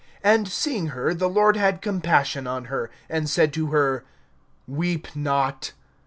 (13)And seeing her, the Lord had compassion on her, and said to her: Weep not.